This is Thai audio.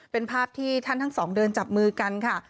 เป็นภาพที่ท่านทั้งสองเดินจับมือกันค่ะ